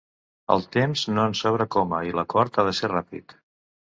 El temps no ens sobra coma i l’acord ha de ser ràpid.